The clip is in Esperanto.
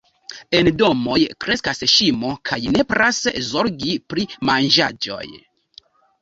En domoj kreskas ŝimo kaj nepras zorgi pri manĝaĵoj.